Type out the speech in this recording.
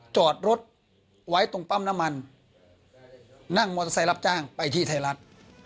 จอดรถไว้ตรงปั๊มน้ำมันนั่งมอเตอร์ไซค์รับจ้างไปที่ไทยรัฐ